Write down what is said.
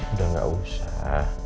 udah gak usah